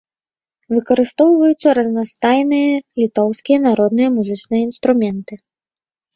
Выкарыстоўваюцца разнастайныя літоўскія народныя музычныя інструменты.